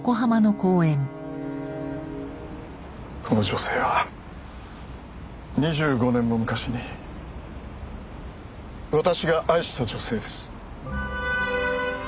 この女性は２５年も昔に私が愛した女性です。